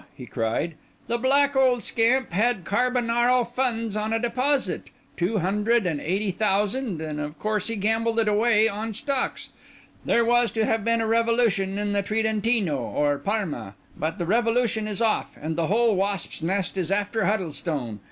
he cried. "The black old scamp had_ carbonaro_ funds on a deposit—two hundred and eighty thousand; and of course he gambled it away on stocks. There was to have been a revolution in the Tridentino, or Parma; but the revolution is off, and the whole wasp's nest is after Huddlestone.